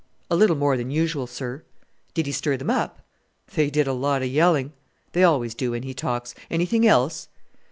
"A little more than usual, sir." "Did he stir them up?" "They did a lot of yelling." "They always do when he talks. Anything else?"